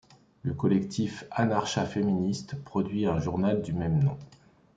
Le collectif anarcha-féministe produit un journal du même nom.